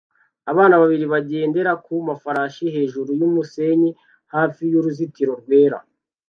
Abana babiri bagendera ku mafarasi hejuru y'umusenyi hafi y'uruzitiro rwera